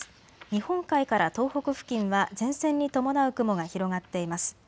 日本海から東北付近は前線に伴う雲が広がっています。